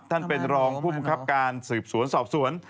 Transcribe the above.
ท่านเป็นรองผู้บังคับการสืบสวนสอบสวน